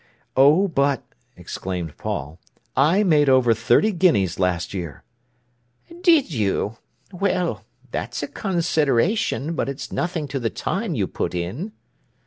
"Oh, but," exclaimed Paul, "I made over thirty guineas last year." "Did you! Well, that's a consideration, but it's nothing to the time you put in."